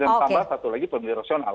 dan tambah satu lagi pemilih rasional